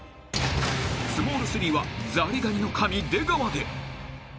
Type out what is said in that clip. ［スモール３はザリガニの神出川で］